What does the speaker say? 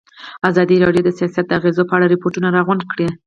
ازادي راډیو د سیاست د اغېزو په اړه ریپوټونه راغونډ کړي.